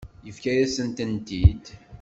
Yefka-yasent-tent-id.